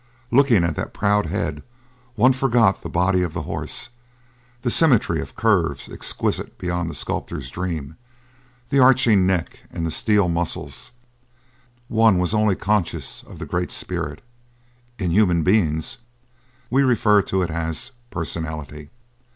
Looking at that proud head one forgot the body of the horse, the symmetry of curves exquisite beyond the sculptor's dream, the arching neck and the steel muscles; one was only conscious of the great spirit. In Human beings we refer to it as "personality."